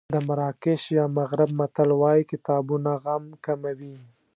د مراکش یا مغرب متل وایي کتابونه غم کموي.